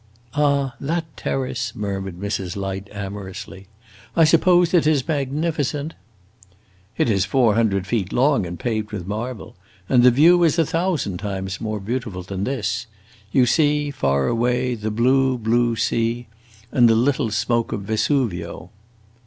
"Ah, that terrace," murmured Mrs. Light, amorously. "I suppose it is magnificent!" "It is four hundred feet long, and paved with marble. And the view is a thousand times more beautiful than this. You see, far away, the blue, blue sea and the little smoke of Vesuvio!"